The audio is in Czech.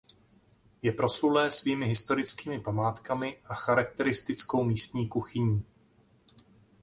Je proslulé svými historickými památkami a charakteristickou místní kuchyní.